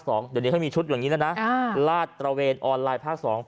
เดี๋ยวนี้เขามีชุดอย่างนี้แล้วนะลาดตระเวนออนไลน์ภาค๒